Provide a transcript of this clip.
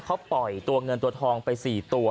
เขาปล่อยตัวเงินตัวทองไป๔ตัว